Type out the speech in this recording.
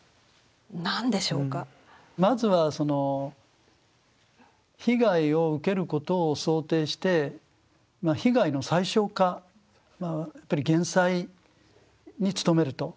まずはその被害を受けることを想定して被害の最小化まあやっぱり減災に努めると。